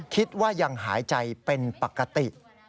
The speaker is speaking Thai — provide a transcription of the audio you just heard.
คิดว่ายังหายใจเป็นปกติ